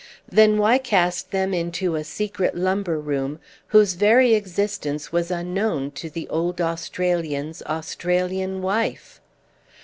Then why cast them into a secret lumber room whose very existence was unknown to the old Australian's Australian wife?